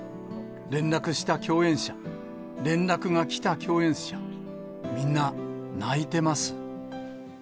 連絡した共演者、連絡が来た共演者、みんな、泣いてます。